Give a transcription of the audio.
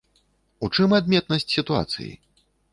У чым адметнасць сітуацыі?